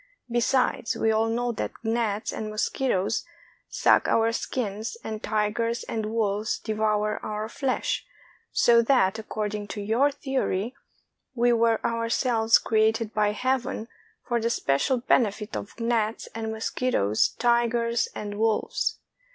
Besides, we all know that gnats and mosquitoes suck our skins, and tigers and wolves devour our flesh; so that, according to your theory, we were ourselves cre ated by Heaven for the special benefit of gnats, mos quitoes, tigers, and wolves!